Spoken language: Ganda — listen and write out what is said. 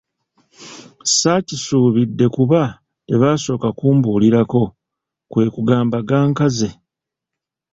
Saakisuubidde kuba tebaasooka kumbuulirako, kwe kugamba gankanze.